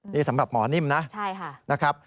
นี่สำหรับหมอนิ่มนะนะครับ